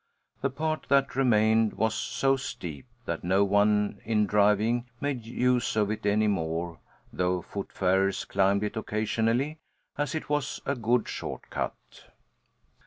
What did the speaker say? The part that remained was so steep that no one in driving made use of it any more though foot farers climbed it occasionally, as it was a good short cut.